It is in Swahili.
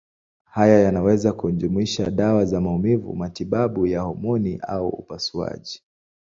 Haya yanaweza kujumuisha dawa za maumivu, matibabu ya homoni au upasuaji.